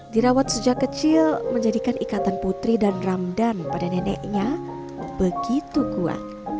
dirawat sejak kecil menjadikan ikatan putri dan ramdan pada neneknya begitu kuat